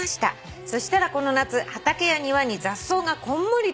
「そしたらこの夏畑や庭に雑草がこんもりと茂る」